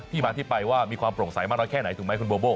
ที่บ้านที่ไปว่ามีความปลงใสมาแล้วแค่ไหนถูกไหมคุณโบโบ